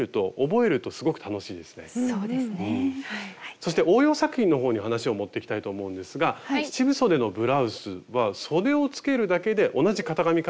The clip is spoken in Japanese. そして応用作品のほうに話を持っていきたいと思うんですが七分そでのブラウスはそでをつけるだけで同じ型紙からできていると。